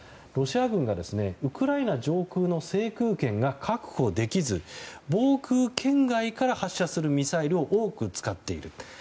ロシア軍がウクライナ上空の制空権が確保できず防空圏外から発射するミサイルを多く使っている。